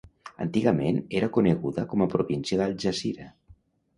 Antigament era coneguda com a província d'Al-Jazira.